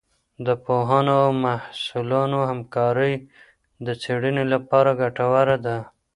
د پوهانو او محصلانو همکارۍ د څېړنې لپاره ګټوره ده.